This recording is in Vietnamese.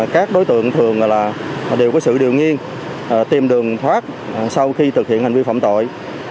các đối tượng thường đều có sự điều nghiên tìm đường thoát sau khi thực hiện hành vi phạm tội